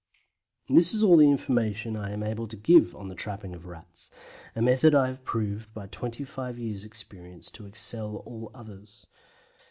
This is all the information I am able to give on the trapping of Rats a method I have proved by 25 years' experience to excel all others.